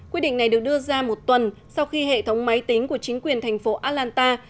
quyết định này được đưa ra một tuần sau khi hệ thống máy tính của chính quyền thành phố atlanta